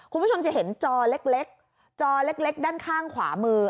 คุณผู้ชมจะเห็นจอเล็กจอเล็กด้านข้างขวามือ